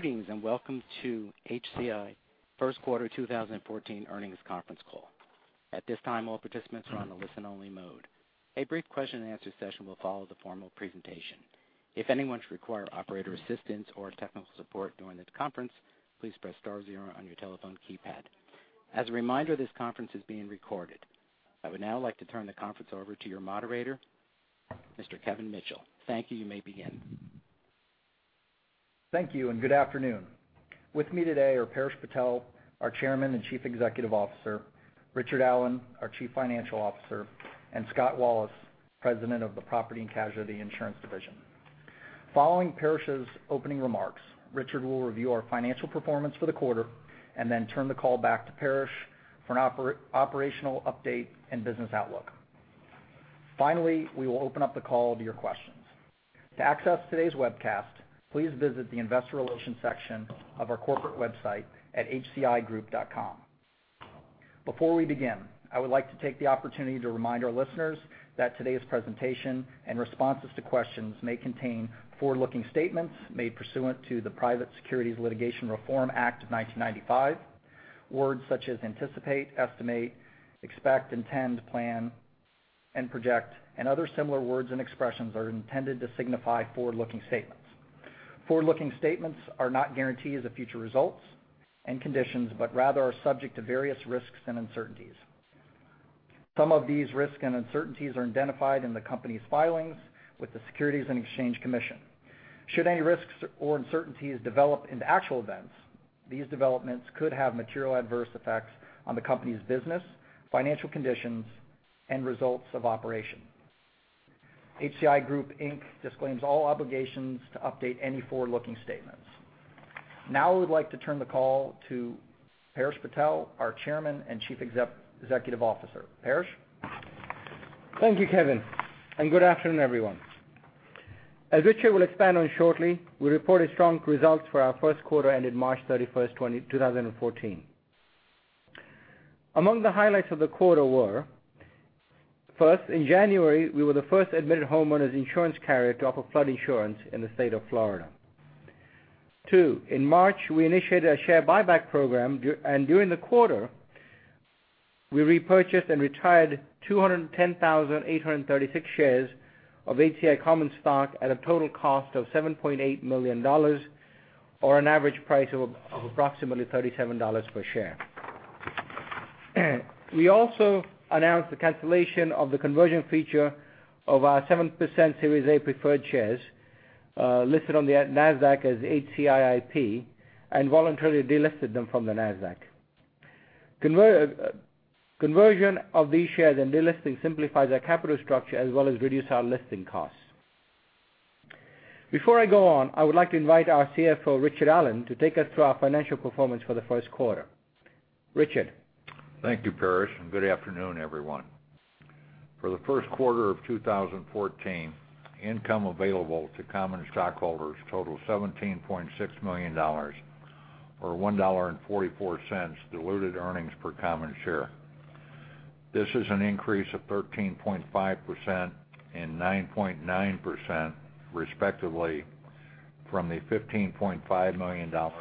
Greetings, welcome to HCI first quarter 2014 earnings conference call. At this time, all participants are on a listen-only mode. A brief question-and-answer session will follow the formal presentation. If anyone should require operator assistance or technical support during this conference, please press star zero on your telephone keypad. As a reminder, this conference is being recorded. I would now like to turn the conference over to your moderator, Mr. Kevin Mitchell. Thank you. You may begin. Thank you, good afternoon. With me today are Paresh Patel, our Chairman and Chief Executive Officer, Richard Allen, our Chief Financial Officer, and Scott Wallace, President of the Property and Casualty Insurance Division. Following Paresh's opening remarks, Richard will review our financial performance for the quarter, then turn the call back to Paresh for an operational update and business outlook. We will open up the call to your questions. To access today's webcast, please visit the investor relations section of our corporate website at hcigroup.com. Before we begin, I would like to take the opportunity to remind our listeners that today's presentation and responses to questions may contain forward-looking statements made pursuant to the Private Securities Litigation Reform Act of 1995. Words such as anticipate, estimate, expect, intend, plan, and project, and other similar words and expressions are intended to signify forward-looking statements. Forward-looking statements are not guarantees of future results and conditions, rather are subject to various risks and uncertainties. Some of these risks and uncertainties are identified in the company's filings with the Securities and Exchange Commission. Should any risks or uncertainties develop into actual events, these developments could have material adverse effects on the company's business, financial conditions, and results of operation. HCI Group, Inc. disclaims all obligations to update any forward-looking statements. I would like to turn the call to Paresh Patel, our Chairman and Chief Executive Officer. Paresh? Thank you, Kevin, and good afternoon, everyone. As Richard will expand on shortly, we reported strong results for our first quarter ended March 31st, 2014. Among the highlights of the quarter were: first, in January, we were the first admitted homeowners insurance carrier to offer flood insurance in the state of Florida. Two, in March, we initiated a share buyback program, and during the quarter, we repurchased and retired 210,836 shares of HCI common stock at a total cost of $7.8 million, or an average price of approximately $37 per share. We also announced the cancellation of the conversion feature of our 7% Series A preferred shares, listed on the NASDAQ as HCIP, and voluntarily delisted them from the NASDAQ. Conversion of these shares and delisting simplifies our capital structure as well as reduce our listing costs. Before I go on, I would like to invite our CFO, Richard Allen, to take us through our financial performance for the first quarter. Richard? Thank you, Paresh, and good afternoon, everyone. For the first quarter of 2014, income available to common stockholders totaled $17.6 million, or $1.44 diluted earnings per common share. This is an increase of 13.5% and 9.9%, respectively, from the $15.5 million or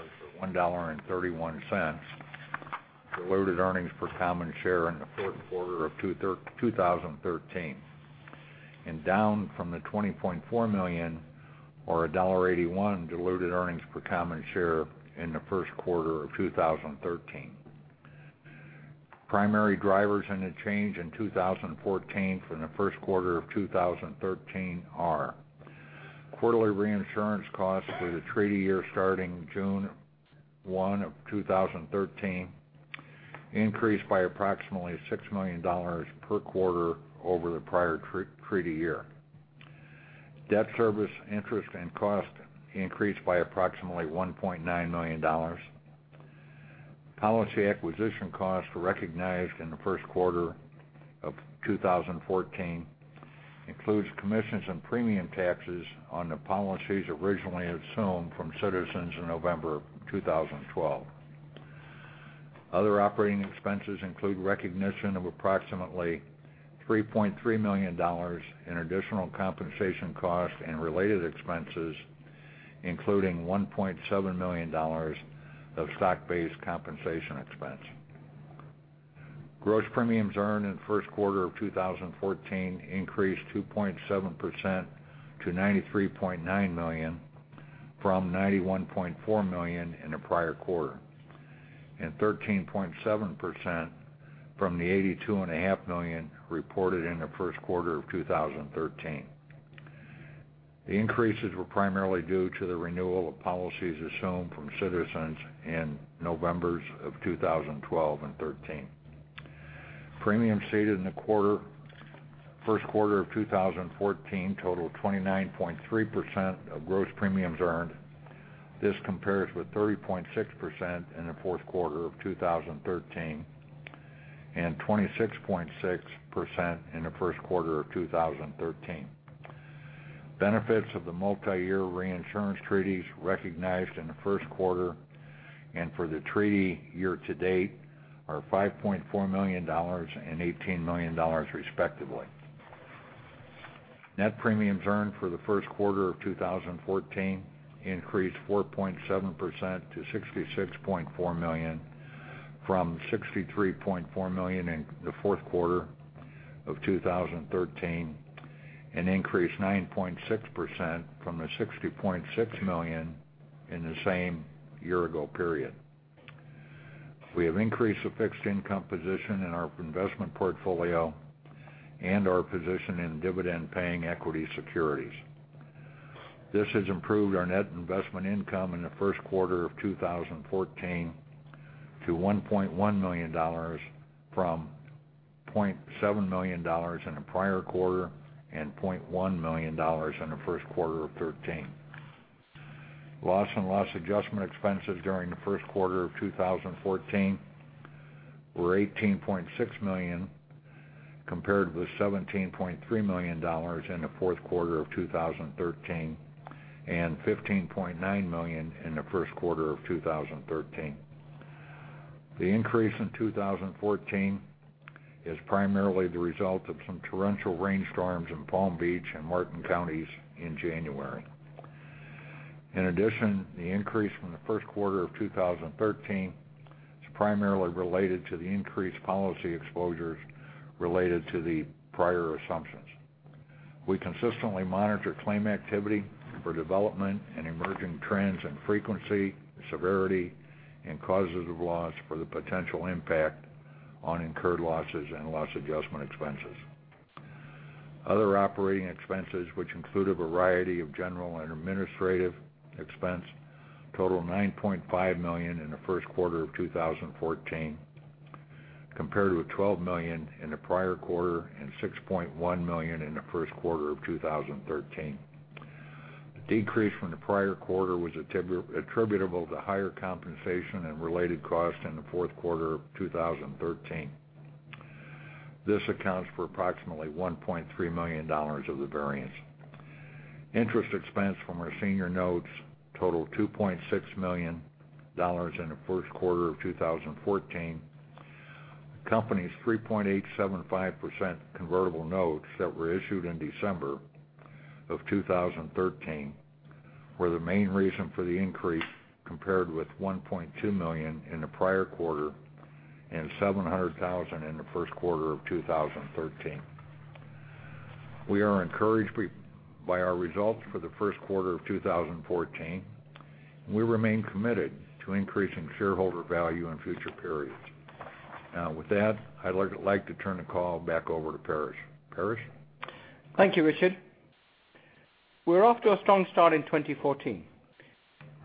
$1.31 diluted earnings per common share in the fourth quarter of 2013, and down from the $20.4 million or $1.81 diluted earnings per common share in the first quarter of 2013. Primary drivers in the change in 2014 from the first quarter of 2013 are quarterly reinsurance costs for the treaty year starting June 1 of 2013, increased by approximately $6 million per quarter over the prior treaty year. Debt service interest and cost increased by approximately $1.9 million. Policy acquisition costs were recognized in the first quarter of 2014, includes commissions and premium taxes on the policies originally assumed from Citizens in November of 2012. Other operating expenses include recognition of approximately $3.3 million in additional compensation costs and related expenses, including $1.7 million of stock-based compensation expense. Gross premiums earned in the first quarter of 2014 increased 2.7% to $93.9 million from $91.4 million in the prior quarter, and 13.7% from the $82.5 million reported in the first quarter of 2013. The increases were primarily due to the renewal of policies assumed from Citizens in Novembers of 2012 and 2013. Premiums ceded in the first quarter of 2014 totaled 29.3% of gross premiums earned. This compares with 30.6% in the fourth quarter of 2013 and 26.6% in the first quarter of 2013. Benefits of the multi-year reinsurance treaties recognized in the first quarter and for the treaty year to date are $5.4 million and $18 million, respectively. Net premiums earned for the first quarter of 2014 increased 4.7% to $66.4 million from $63.4 million in the fourth quarter of 2013, and increased 9.6% from the $60.6 million in the same year-ago period. We have increased the fixed income position in our investment portfolio and our position in dividend-paying equity securities. This has improved our net investment income in the first quarter of 2014 to $1.1 million from $0.7 million in the prior quarter and $0.1 million in the first quarter of 2013. Loss and loss adjustment expenses during the first quarter of 2014 were $18.6 million, compared with $17.3 million in the fourth quarter of 2013, and $15.9 million in the first quarter of 2013. The increase in 2014 is primarily the result of some torrential rainstorms in Palm Beach and Martin counties in January. In addition, the increase from the first quarter of 2013 is primarily related to the increased policy exposures related to the prior assumptions. We consistently monitor claim activity for development and emerging trends in frequency, severity, and causes of loss for the potential impact on incurred losses and loss adjustment expenses. Other operating expenses, which include a variety of general and administrative expense, total $9.5 million in the first quarter of 2014 compared with $12 million in the prior quarter and $6.1 million in the first quarter of 2013. The decrease from the prior quarter was attributable to higher compensation and related costs in the fourth quarter of 2013. This accounts for approximately $1.3 million of the variance. Interest expense from our senior notes totaled $2.6 million in the first quarter of 2014. The company's 3.875% convertible notes that were issued in December of 2013 were the main reason for the increase, compared with $1.2 million in the prior quarter and $700,000 in the first quarter of 2013. We are encouraged by our results for the first quarter of 2014, and we remain committed to increasing shareholder value in future periods. Now with that, I'd like to turn the call back over to Paresh. Paresh? Thank you, Richard. We're off to a strong start in 2014.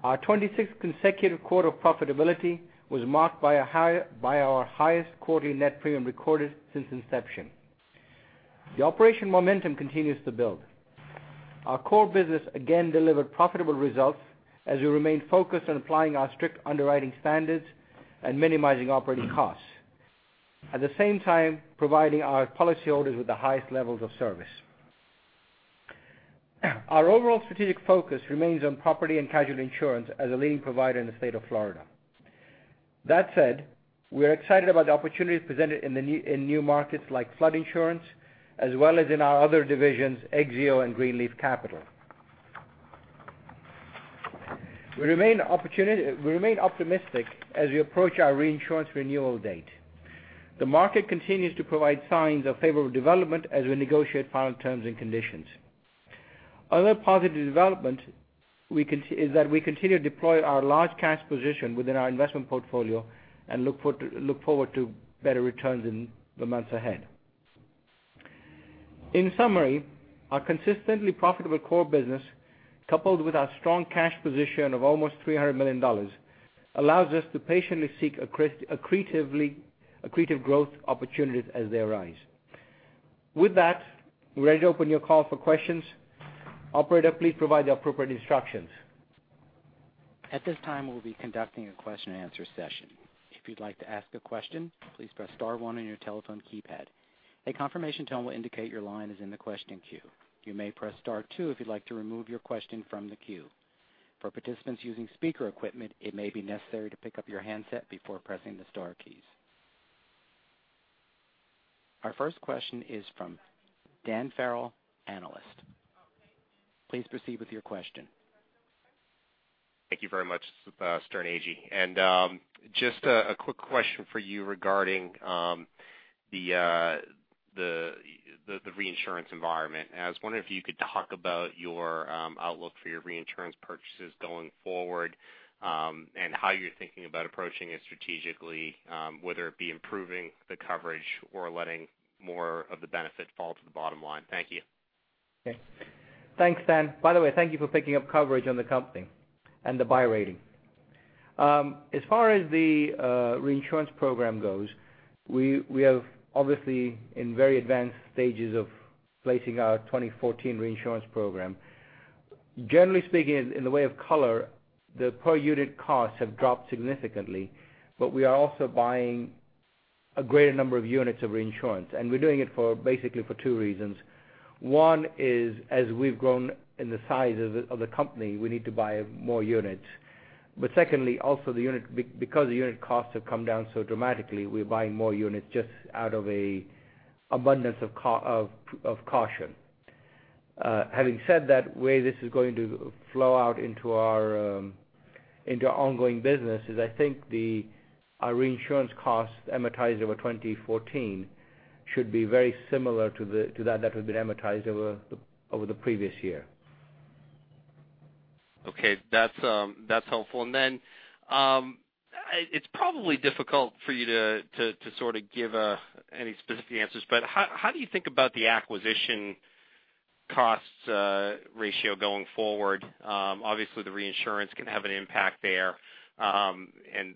Our 26th consecutive quarter of profitability was marked by our highest quarterly net premium recorded since inception. The operation momentum continues to build. Our core business again delivered profitable results as we remain focused on applying our strict underwriting standards and minimizing operating costs. At the same time, providing our policyholders with the highest levels of service. Our overall strategic focus remains on property and casualty insurance as a leading provider in the state of Florida. That said, we are excited about the opportunities presented in new markets like flood insurance, as well as in our other divisions, Exzeo and Greenleaf Capital. We remain optimistic as we approach our reinsurance renewal date. The market continues to provide signs of favorable development as we negotiate final terms and conditions. Other positive development is that we continue to deploy our large cash position within our investment portfolio and look forward to better returns in the months ahead. In summary, our consistently profitable core business, coupled with our strong cash position of almost $300 million, allows us to patiently seek accretive growth opportunities as they arise. With that, we're ready to open your call for questions. Operator, please provide the appropriate instructions. At this time, we'll be conducting a question and answer session. If you'd like to ask a question, please press star one on your telephone keypad. A confirmation tone will indicate your line is in the question queue. You may press star two if you'd like to remove your question from the queue. For participants using speaker equipment, it may be necessary to pick up your handset before pressing the star keys. Our first question is from Dan Farrell, analyst. Please proceed with your question. Thank you very much, Sterne Agee. Just a quick question for you regarding the reinsurance environment. I was wondering if you could talk about your outlook for your reinsurance purchases going forward and how you're thinking about approaching it strategically, whether it be improving the coverage or letting more of the benefit fall to the bottom line. Thank you. Okay. Thanks, Dan. By the way, thank you for picking up coverage on the company and the buy rating. As far as the reinsurance program goes, we have obviously in very advanced stages of placing our 2014 reinsurance program. Generally speaking, in the way of color, the per unit costs have dropped significantly, we are also buying a greater number of units of reinsurance, and we're doing it basically for two reasons. One is as we've grown in the size of the company, we need to buy more units. Secondly, also because the unit costs have come down so dramatically, we're buying more units just out of an abundance of caution. Having said that, the way this is going to flow out into our ongoing business is, I think our reinsurance costs amortized over 2014 should be very similar to that which has been amortized over the previous year. Okay. That's helpful. It's probably difficult for you to give any specific answers, but how do you think about the acquisition costs ratio going forward? Obviously, the reinsurance can have an impact there, and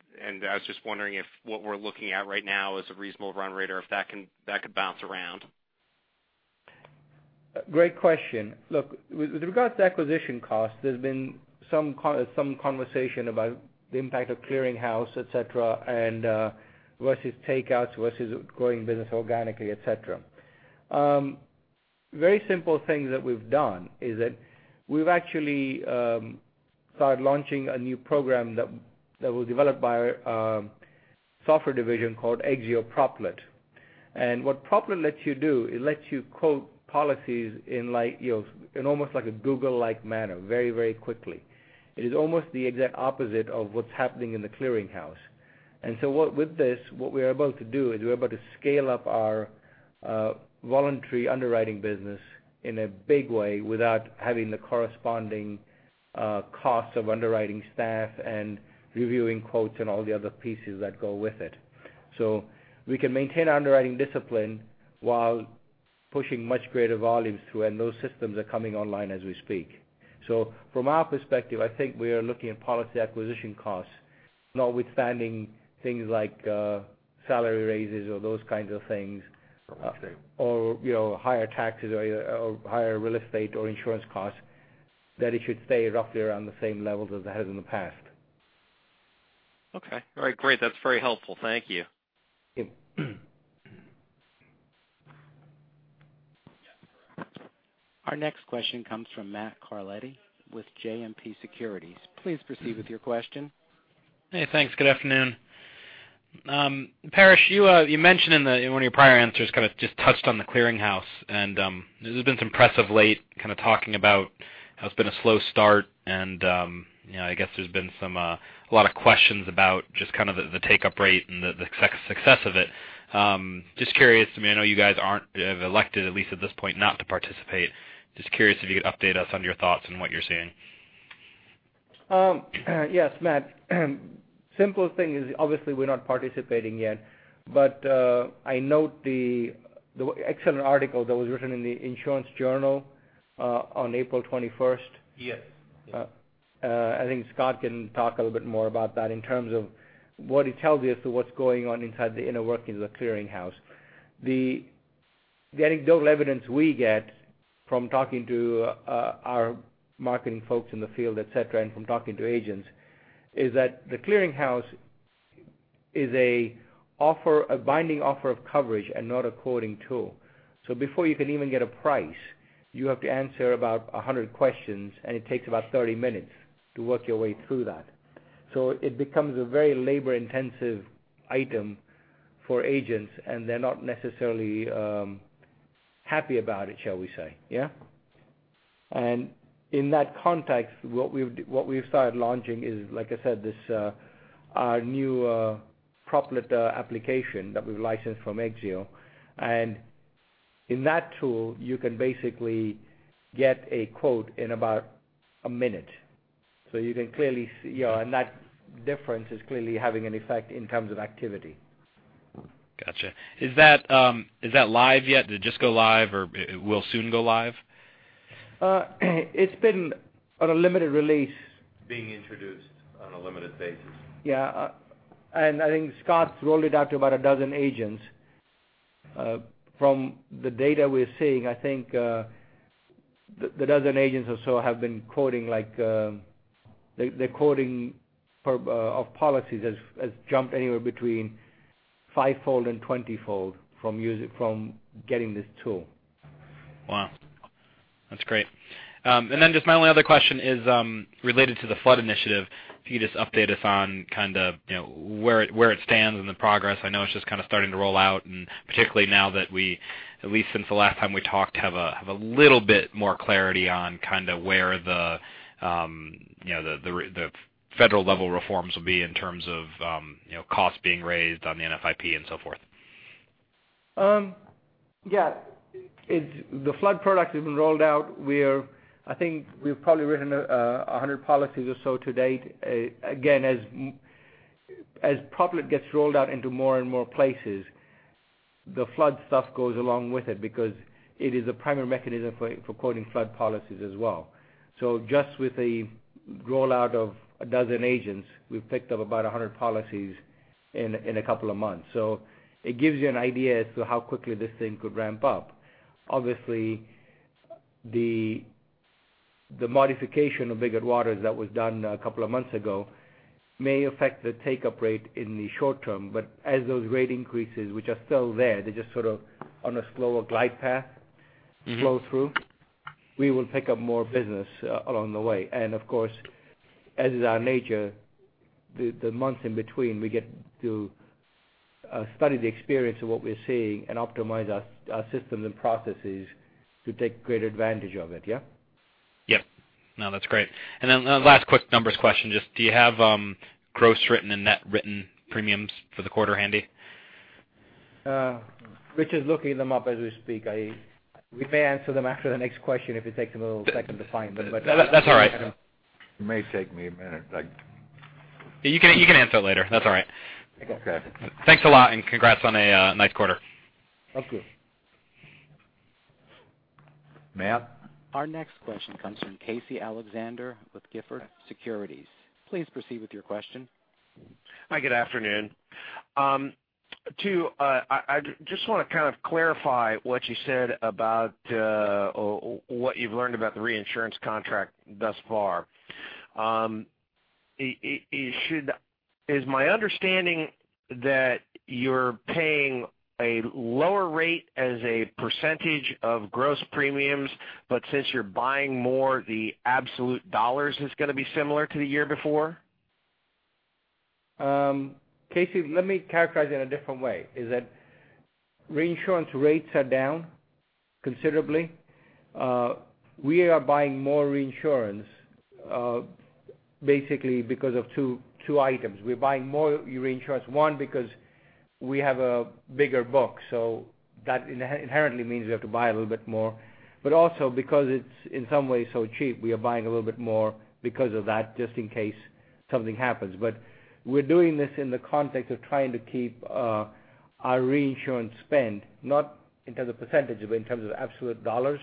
I was just wondering if what we're looking at right now is a reasonable run rate, or if that could bounce around. Great question. Look, with regards to acquisition cost, there's been some conversation about the impact of Clearinghouse, et cetera, versus takeouts, versus growing business organically, et cetera. Very simple thing that we've done is that we've actually started launching a new program that was developed by our software division called Exzeo Proplet. What Proplet lets you do, it lets you quote policies in almost like a Google-like manner, very quickly. It is almost the exact opposite of what's happening in the Clearinghouse. With this, what we're able to do is we're able to scale up our voluntary underwriting business in a big way without having the corresponding costs of underwriting staff and reviewing quotes and all the other pieces that go with it. We can maintain underwriting discipline while pushing much greater volumes through, and those systems are coming online as we speak. From our perspective, I think we are looking at policy acquisition costs, notwithstanding things like salary raises or those kinds of things- Okay Higher taxes or higher real estate or insurance costs, that it should stay roughly around the same levels as it has in the past. Okay. All right, great. That's very helpful. Thank you. Yeah. Our next question comes from Matt Carletti with JMP Securities. Please proceed with your question. Hey, thanks. Good afternoon. Paresh, you mentioned in one of your prior answers, just touched on the Clearinghouse, there's been some press of late, kind of talking about how it's been a slow start and I guess there's been a lot of questions about just the take-up rate and the success of it. I know you guys have elected at least at this point, not to participate. Just curious if you could update us on your thoughts and what you're seeing. Yes, Matt. Simple thing is obviously we're not participating yet, I note the excellent article that was written in the Insurance Journal, on April 21st. Yes. I think Scott can talk a little bit more about that in terms of what it tells you as to what's going on inside the inner workings of the Clearinghouse. The anecdotal evidence we get from talking to our marketing folks in the field, et cetera, and from talking to agents, is that the Clearinghouse is a binding offer of coverage and not a quoting tool. Before you can even get a price, you have to answer about 100 questions, and it takes about 30 minutes to work your way through that. It becomes a very labor-intensive item for agents, and they're not necessarily happy about it, shall we say. Yeah? In that context, what we've started launching is, like I said, our new Proplet application that we've licensed from Exzeo. In that tool, you can basically get a quote in about a minute. That difference is clearly having an effect in terms of activity. Got you. Is that live yet? Did it just go live, or will it soon go live? It's been on a limited release. Being introduced on a limited basis. Yeah. I think Scott rolled it out to about 12 agents. From the data we're seeing, I think, the 12 agents or so have been quoting. The quoting of policies has jumped anywhere between 5-fold and 20-fold from getting this tool. Wow. That's great. Just my only other question is related to the flood initiative. If you could just update us on where it stands and the progress. I know it's just starting to roll out, and particularly now that we, at least since the last time we talked, have a little bit more clarity on where the federal-level reforms will be in terms of costs being raised on the NFIP and so forth. Yeah. The flood product has been rolled out. I think we've probably written 100 policies or so to date. Again, as Proplet gets rolled out into more and more places, the flood stuff goes along with it because it is a primary mechanism for quoting flood policies as well. Just with the rollout of 12 agents, we've picked up about 100 policies in a couple of months. So it gives you an idea as to how quickly this thing could ramp up. Obviously, the modification of Biggert-Waters that was done a couple of months ago may affect the take-up rate in the short term, but as those rate increases, which are still there, they're just sort of on a slower glide path flow through. We will pick up more business along the way. Of course, as is our nature, the months in between, we get to study the experience of what we're seeing and optimize our systems and processes to take great advantage of it, yeah? Yep. No, that's great. Then last quick numbers question, just do you have gross written and net written premiums for the quarter handy? Richard's looking them up as we speak. We may answer them after the next question if it takes him a little second to find them. That's all right. It may take me a minute. You can answer it later. That's all right. Okay. Thanks a lot, and congrats on a nice quarter. Thank you. Matt? Our next question comes from Casey Alexander with Gilford Securities. Please proceed with your question. Hi, good afternoon. I just want to kind of clarify what you said about what you've learned about the reinsurance contract thus far. Is my understanding that you're paying a lower rate as a percentage of gross premiums, but since you're buying more, the absolute U.S. dollars is going to be similar to the year before? Casey, let me characterize it in a different way, is that reinsurance rates are down considerably. We are buying more reinsurance, basically because of two items. We're buying more reinsurance, one, because we have a bigger book, that inherently means we have to buy a little bit more. Also because it's in some ways so cheap, we are buying a little bit more because of that, just in case something happens. We're doing this in the context of trying to keep our reinsurance spend, not in terms of percentage, but in terms of absolute U.S. dollars,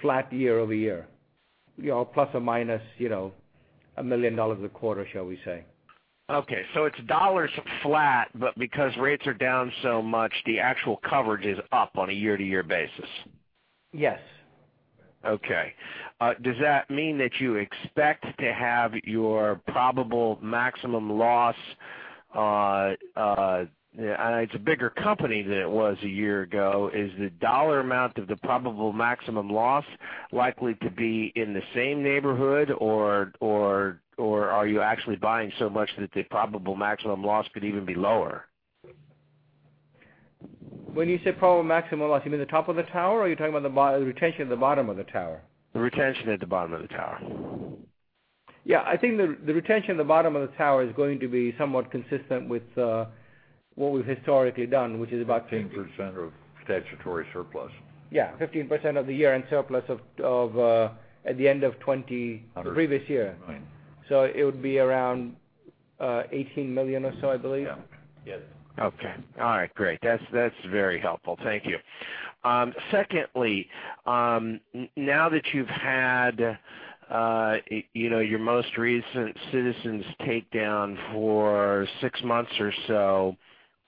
flat year-over-year. ±$1 million a quarter, shall we say. Okay. It's U.S. dollars flat, because rates are down so much, the actual coverage is up on a year-to-year basis. Yes. Okay. Does that mean that you expect to have your probable maximum loss? It's a bigger company than it was a year ago. Is the dollar amount of the probable maximum loss likely to be in the same neighborhood, or are you actually buying so much that the probable maximum loss could even be lower? When you say probable maximum loss, you mean the top of the tower, or are you talking about the retention at the bottom of the tower? The retention at the bottom of the tower. Yeah. I think the retention at the bottom of the tower is going to be somewhat consistent with what we've historically done. 15% of statutory surplus. Yeah, 15% of the year-end surplus at the end of 2013, the previous year. Right. It would be around $18 million or so, I believe. Yeah. Okay. All right. Great. That's very helpful. Thank you. Secondly, now that you've had your most recent Citizens takedown for six months or so,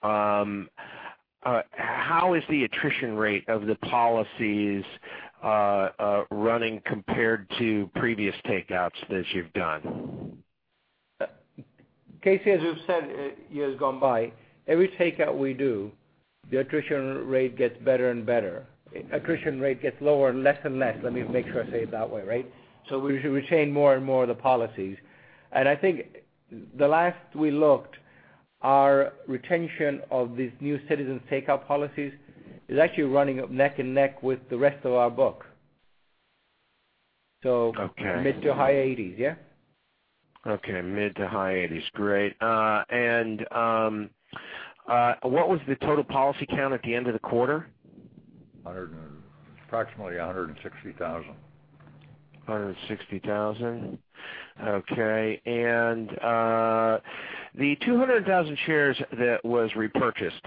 how is the attrition rate of the policies running compared to previous takeouts that you've done? Casey, as we've said years gone by, every takeout we do, the attrition rate gets better and better. Attrition rate gets lower and less and less. Let me make sure I say it that way, right? We retain more and more of the policies. I think the last we looked, our retention of these new Citizens takeout policies is actually running neck and neck with the rest of our book. Okay. Mid to high 80s, yeah? Okay, mid to high 80s. Great. What was the total policy count at the end of the quarter? Approximately 160,000. 160,000. Okay. The 200,000 shares that was repurchased,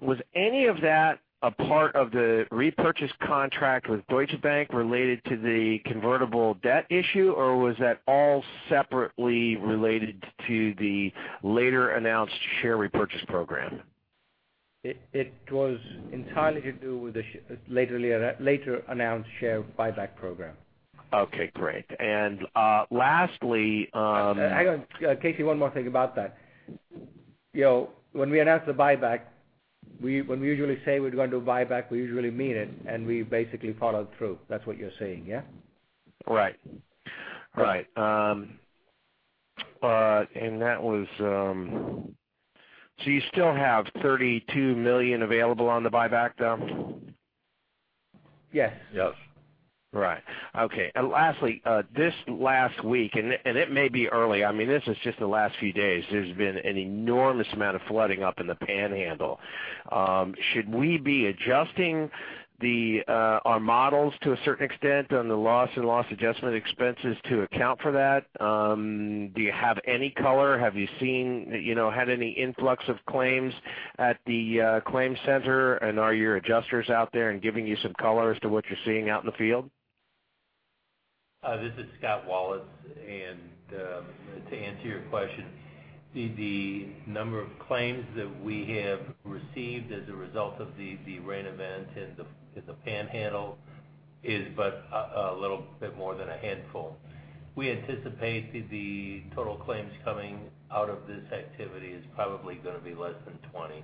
was any of that a part of the repurchase contract with Deutsche Bank related to the convertible debt issue, or was that all separately related to the later announced share repurchase program? It was entirely to do with the later announced share buyback program. Okay, great. Lastly. Hang on, Casey, one more thing about that. When we announce the buyback, when we usually say we're going to do a buyback, we usually mean it, and we basically follow through. That's what you're saying, yeah? You still have $32 million available on the buyback, though? Yes. Yes. Right. Okay. Lastly, this last week, and it may be early. This is just the last few days. There has been an enormous amount of flooding up in the Panhandle. Should we be adjusting our models to a certain extent on the loss and loss adjustment expenses to account for that? Do you have any color? Have you had any influx of claims at the claims center, and are your adjusters out there and giving you some color as to what you are seeing out in the field? This is Scott Wallace, and to answer your question, the number of claims that we have received as a result of the rain event in the Panhandle is but a little bit more than a handful. We anticipate the total claims coming out of this activity is probably going to be less than 20.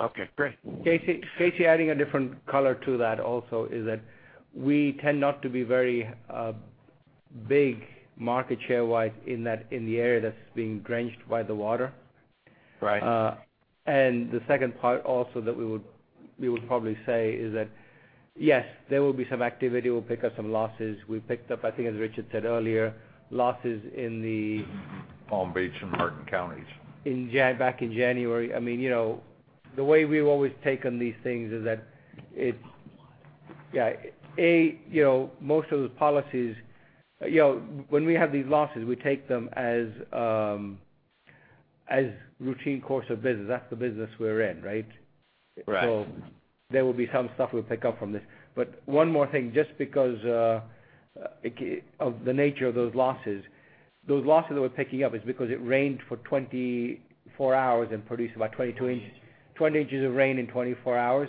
Okay, great. Casey, adding a different color to that also is that we tend not to be very big market share-wide in the area that's being drenched by the water. Right. The second part also that we would probably say is that, yes, there will be some activity. We'll pick up some losses. We picked up, I think, as Richard said earlier, losses in the- Palm Beach and Martin counties back in January. The way we've always taken these things is that Yeah. A, most of those policies, when we have these losses, we take them as routine course of business. That's the business we're in, right? Right. There will be some stuff we'll pick up from this. One more thing, just because of the nature of those losses, those losses that we're picking up is because it rained for 24 hours and produced about 20 inches of rain in 24 hours.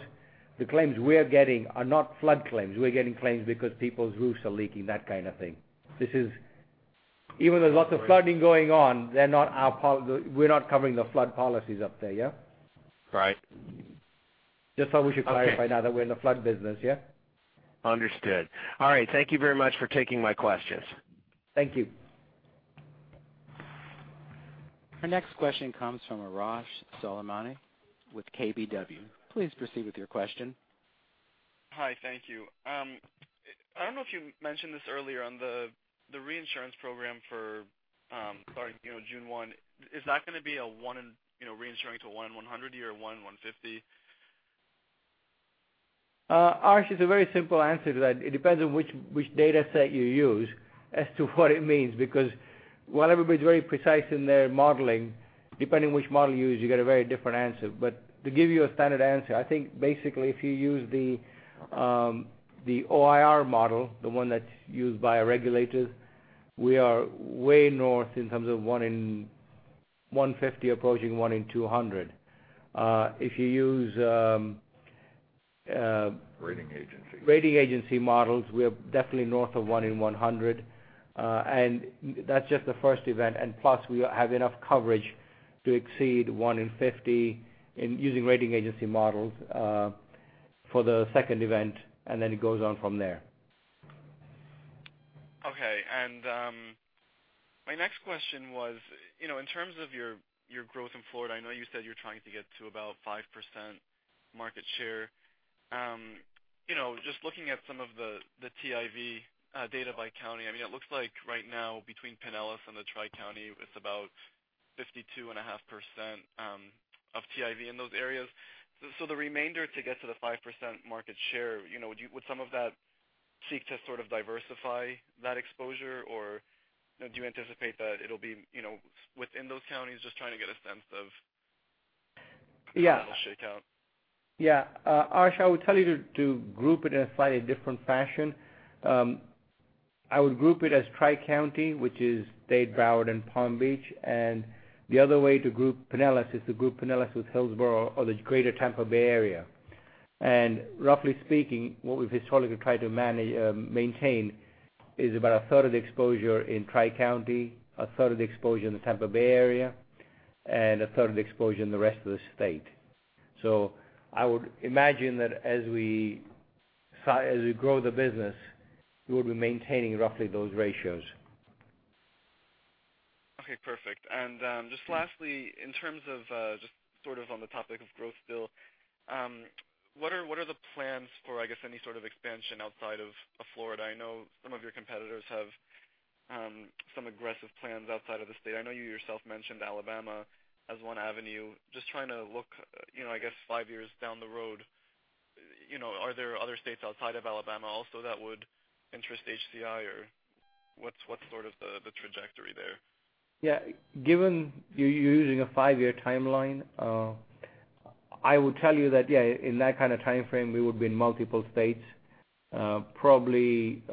The claims we're getting are not flood claims. We're getting claims because people's roofs are leaking, that kind of thing. Even there's lots of flooding going on, we're not covering the flood policies up there, yeah? Right. Just thought we should clarify now that we're in the flood business, yeah? Understood. All right. Thank you very much for taking my questions. Thank you. Our next question comes from Arash Soleimani with KBW. Please proceed with your question. Hi, thank you. I don't know if you mentioned this earlier on the reinsurance program for starting June 1. Is that going to be a reinsuring to 1 in 100 or 1 in 150? Arash, it's a very simple answer to that. It depends on which data set you use as to what it means, because while everybody's very precise in their modeling, depending on which model you use, you get a very different answer. To give you a standard answer, I think basically if you use the OIR model, the one that's used by our regulators, we are way north in terms of 1 in 150, approaching 1 in 200. If you use- Rating agency rating agency models, we are definitely north of 1 in 100. That's just the first event, plus we have enough coverage to exceed 1 in 50 in using rating agency models for the second event, then it goes on from there. Okay. My next question was, in terms of your growth in Florida, I know you said you're trying to get to about 5% market share. Just looking at some of the TIV data by county, it looks like right now between Pinellas and the Tri-County, it's about 52.5% of TIV in those areas. The remainder to get to the 5% market share, would some of that seek to sort of diversify that exposure? Do you anticipate that it'll be within those counties? Just trying to get a sense of- Yeah how it will shake out. Yeah. Arash, I would tell you to group it in a slightly different fashion. I would group it as Tri-County, which is Dade, Broward, and Palm Beach. The other way to group Pinellas is to group Pinellas with Hillsborough or the greater Tampa Bay area. Roughly speaking, what we've historically tried to maintain is about a third of the exposure in Tri-County, a third of the exposure in the Tampa Bay area, and a third of the exposure in the rest of the state. I would imagine that as we grow the business, we will be maintaining roughly those ratios. Okay, perfect. Just lastly, in terms of just sort of on the topic of growth still, what are the plans for, I guess, any sort of expansion outside of Florida? I know some of your competitors have some aggressive plans outside of the state. I know you yourself mentioned Alabama as one avenue. Just trying to look, I guess, five years down the road, are there other states outside of Alabama also that would interest HCI, or what's sort of the trajectory there? Yeah. Given you're using a five-year timeline, I would tell you that, yeah, in that kind of timeframe, we would be in multiple states. Probably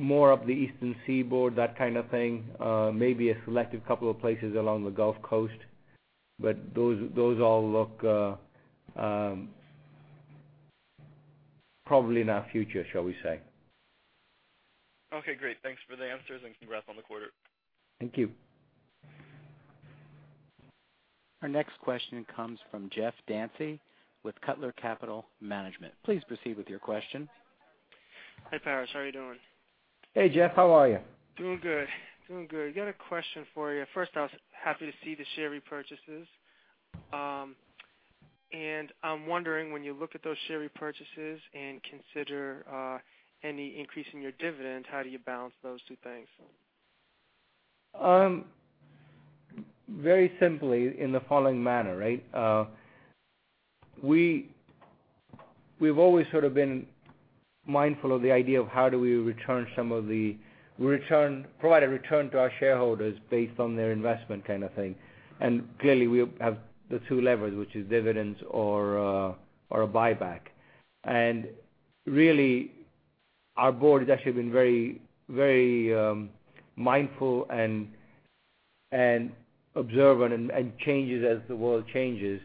more up the eastern seaboard, that kind of thing. Maybe a selective couple of places along the Gulf Coast. Those all look probably in our future, shall we say. Okay, great. Thanks for the answers, congrats on the quarter. Thank you. Our next question comes from Geoff Dancey with Cutler Capital Management. Please proceed with your question. Hi, Paresh. How are you doing? Hey, Geoff. How are you? Doing good. Doing good. Got a question for you. First, I was happy to see the share repurchases. I'm wondering, when you look at those share repurchases and consider any increase in your dividend, how do you balance those two things? Very simply in the following manner, right? We've always sort of been mindful of the idea of how do we provide a return to our shareholders based on their investment kind of thing. Clearly, we have the two levers, which is dividends or a buyback. Really, our board has actually been very mindful and observant, and changes as the world changes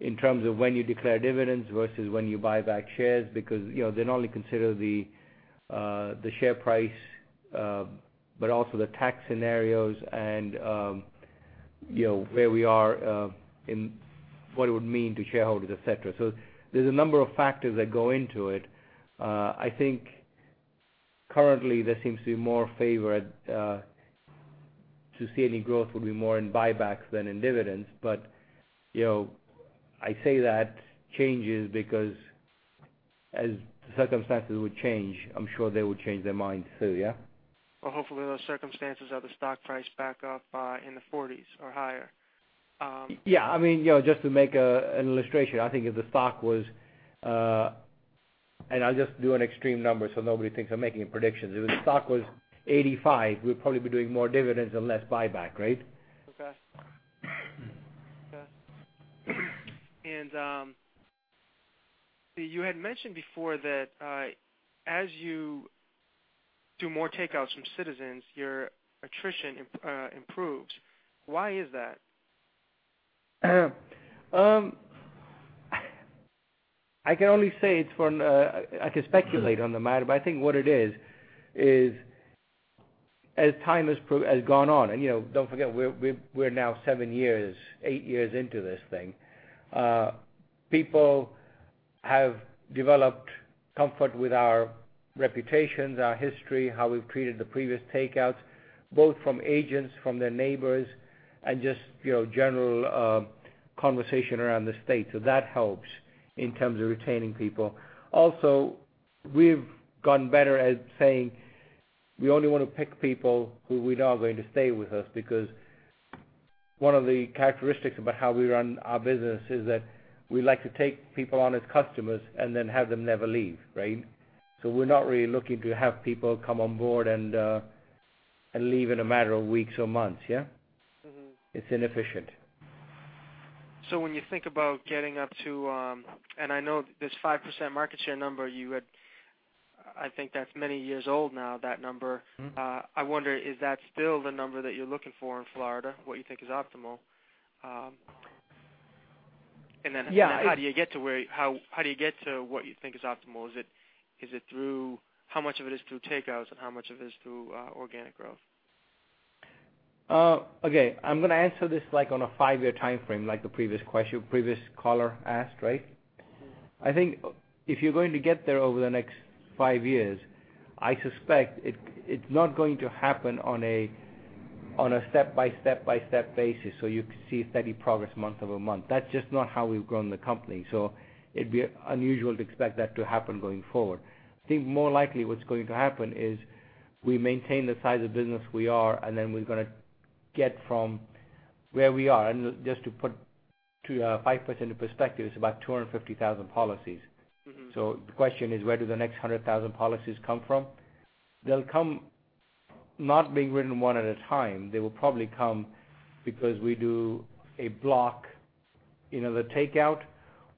in terms of when you declare dividends versus when you buy back shares, because they not only consider the share price, but also the tax scenarios and where we are in what it would mean to shareholders, et cetera. There's a number of factors that go into it. I think currently there seems to be more favor to see any growth would be more in buybacks than in dividends. I say that changes because as circumstances would change, I'm sure they would change their minds too, yeah? Hopefully those circumstances are the stock price back up in the 40s or higher. Yeah. Just to make an illustration, I think if the stock was, and I'll just do an extreme number so nobody thinks I'm making a prediction. If the stock was 85, we'd probably be doing more dividends and less buyback, right? Okay. You had mentioned before that as you do more takeouts from Citizens, your attrition improves. Why is that? I can only speculate on the matter, I think what it is, as time has gone on, and don't forget, we're now seven years, eight years into this thing. People have developed comfort with our reputations, our history, how we've treated the previous takeouts, both from agents, from their neighbors, and just general conversation around the state. That helps in terms of retaining people. Also, we've gotten better at saying we only want to pick people who we know are going to stay with us, because one of the characteristics about how we run our business is that we like to take people on as customers and then have them never leave. Right? We're not really looking to have people come on board and leave in a matter of weeks or months, yeah? It's inefficient. When you think about getting up to, I know this 5% market share number you had, I think that's many years old now, that number. I wonder, is that still the number that you're looking for in Florida, what you think is optimal? Yeah. How do you get to what you think is optimal? Is it through how much of it is through takeouts, and how much of it is through organic growth? Okay. I'm going to answer this on a five-year timeframe, like the previous caller asked, right? If you're going to get there over the next five years, I suspect it's not going to happen on a step-by-step basis, you could see steady progress month-over-month. That's just not how we've grown the company. It'd be unusual to expect that to happen going forward. I think more likely what's going to happen is we maintain the size of business we are, then we're going to get from where we are. Just to put 5% into perspective, it's about 250,000 policies. The question is, where do the next 100,000 policies come from? They'll come not being written one at a time. They will probably come because we do a block in the takeout,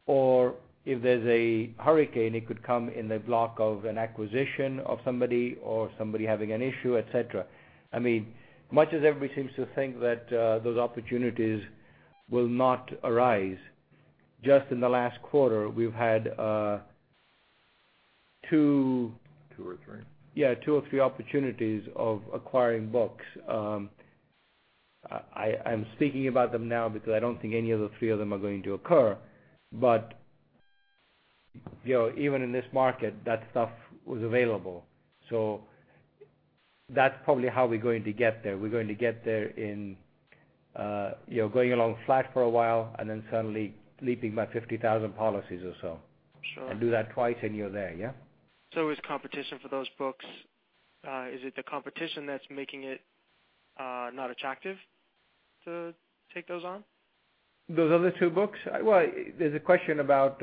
or if there's a hurricane, it could come in the block of an acquisition of somebody, or somebody having an issue, et cetera. Much as everybody seems to think that those opportunities will not arise, just in the last quarter, we've had two- Two or three eah, two or three opportunities of acquiring books. I'm speaking about them now because I don't think any of the three of them are going to occur. Even in this market, that stuff was available. That's probably how we're going to get there. We're going to get there in going along flat for a while, then suddenly leaping by 50,000 policies or so. Sure. Do that twice, and you're there, yeah? Is competition for those books, is it the competition that's making it not attractive to take those on? Those other two books? Well, there's a question about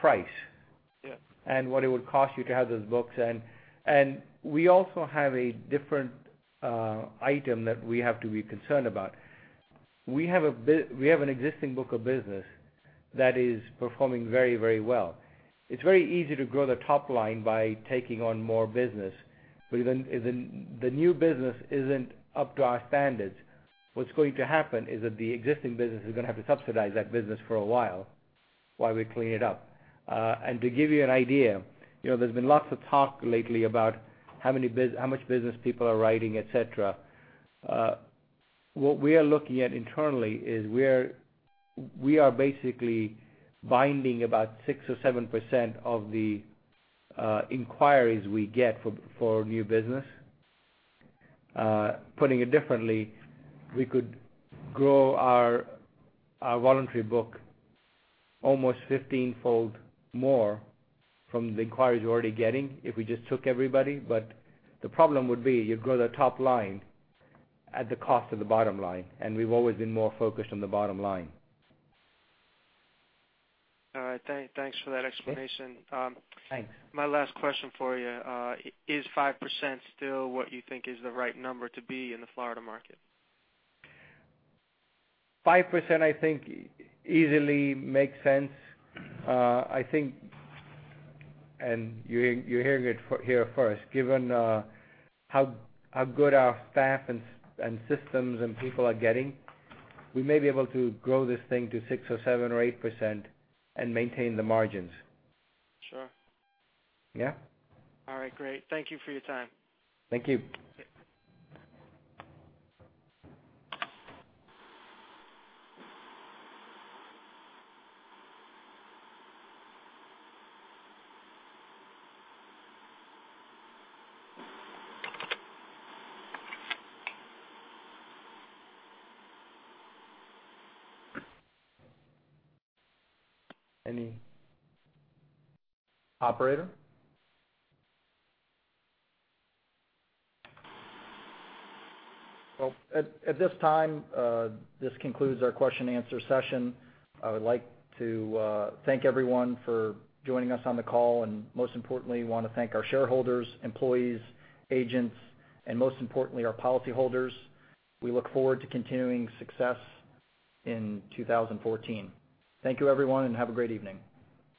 price. Yeah. What it would cost you to have those books. We also have a different item that we have to be concerned about. We have an existing book of business that is performing very well. It's very easy to grow the top line by taking on more business. If the new business isn't up to our standards, what's going to happen is that the existing business is going to have to subsidize that business for a while we clean it up. To give you an idea, there's been lots of talk lately about how much business people are writing, et cetera. What we are looking at internally is we are basically binding about 6% or 7% of the inquiries we get for new business. Putting it differently, we could grow our voluntary book almost 15 fold more from the inquiries we're already getting if we just took everybody. The problem would be you grow the top line at the cost of the bottom line, and we've always been more focused on the bottom line. All right. Thanks for that explanation. Thanks. My last question for you, is 5% still what you think is the right number to be in the Florida market? 5%, I think, easily makes sense. I think, you're hearing it here first, given how good our staff and systems and people are getting, we may be able to grow this thing to 6% or 7% or 8% and maintain the margins. Sure. Yeah. All right. Great. Thank you for your time. Thank you. Okay. Any Operator? Well, at this time, this concludes our question and answer session. I would like to thank everyone for joining us on the call, and most importantly, want to thank our shareholders, employees, agents, and most importantly, our policyholders. We look forward to continuing success in 2014. Thank you, everyone, and have a great evening.